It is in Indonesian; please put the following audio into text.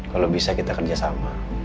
kalau bisa kita kerjasama